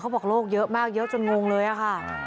บอกโลกเยอะมากเยอะจนงงเลยอะค่ะ